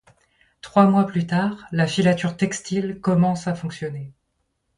Trois mois plus tard, la filature textile commence à fonctionner.